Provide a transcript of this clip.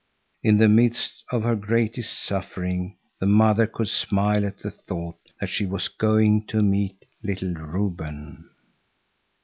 In the midst of her greatest suffering the mother could smile at the thought that she was going to meet little Reuben.